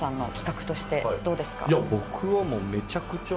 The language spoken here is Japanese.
いや僕はもう。